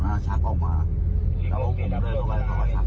เขาออกมานั่งฝั่งเรียกแล้ว